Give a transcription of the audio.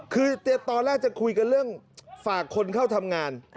คือตอนแรกจะคุยกันเรื่องฝากคนเข้าทำงาน